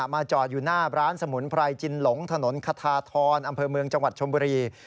จอดอยู่หน้าร้านสมุนไพรจินหลงถนนคทาทรอำเภอเมืองจังหวัดชมบุรี